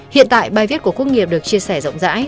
hiện tại bài viết của quốc nghiệp được chia sẻ rộng rãi